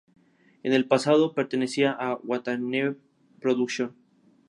En el pasado, pertenecía a Watanabe Productions.